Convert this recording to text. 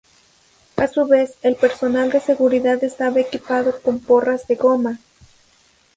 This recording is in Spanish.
A su vez, el personal de seguridad estaba equipado con porras de goma.